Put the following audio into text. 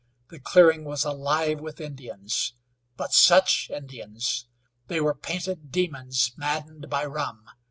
The clearing was alive with Indians. But such Indians! They were painted demons, maddened by rum.